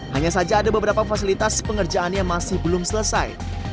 hanya saja ada beberapa fasilitas pengerjaan yang masih belum selesai